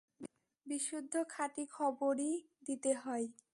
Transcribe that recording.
বিশুদ্ধ খাঁটি খবরই দিতে হয়।